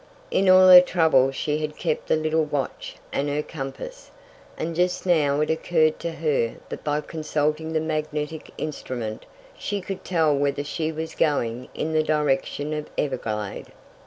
In all her trouble she had kept the little watch and her compass, and just now it occurred to her that by consulting the magnetic instrument she could tell whether she was going in the direction of Everglade.